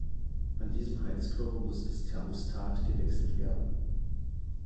An diesem Heizkörper muss das Thermostat gewechselt werden.